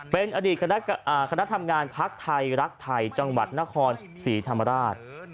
เป็นอดีตคณะทำงานพักไทยรักไทยจังหวัดนครศรีธรรมราช